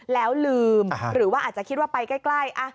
แล้วลืมหรือว่าอาจจะคิดว่าไปใกล้